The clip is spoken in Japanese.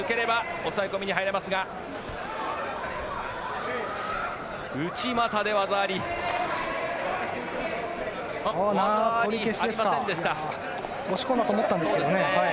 押し込んだと思ったんですけどね。